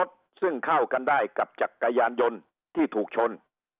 ซึ่งเข้ากันได้กับจักรยานยนต์ที่ถูกชน